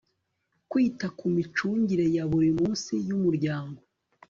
kwita ku micungire yaburi munsi y umuryango